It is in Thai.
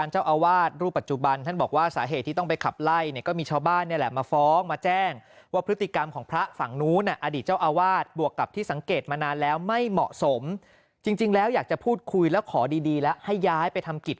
จริงแล้วอยากจะพูดคุยแล้วขอดีแล้วให้ย้ายไปทำกิจ